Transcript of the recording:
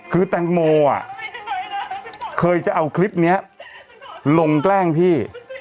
คือแตงโมเคยจะเอาคลิปนี้ลงแกล้งพี่